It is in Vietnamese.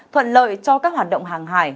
thuận lợi cho các hoạt động hàng hải